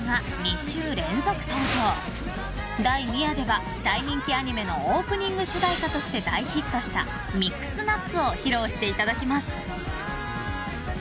［第２夜では大人気アニメのオープニング主題歌として大ヒットした『ミックスナッツ』を披露していただきます］